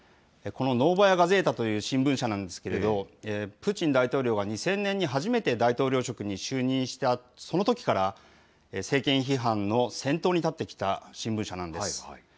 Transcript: このノーバヤ・ガゼータという新聞社なんですけれども、プーチン大統領が、２０００年に初めて大統領職に就任したそのときから、政権批判の先頭に立ってきた新聞社なんです。